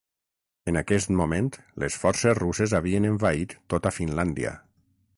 En aquest moment, les forces russes havien envaït tota Finlàndia.